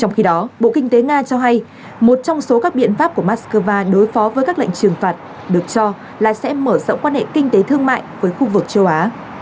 trong khi đó bộ kinh tế nga cho hay một trong số các biện pháp của moscow đối phó với các lệnh trừng phạt được cho là sẽ mở rộng quan hệ kinh tế thương mại với khu vực châu á